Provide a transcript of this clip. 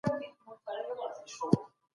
ماشيني ژوند ورځ په ورځ زياتيږي.